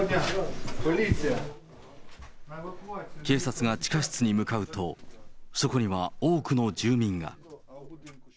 警察が地下室に向かうと、そこには多くの住民が。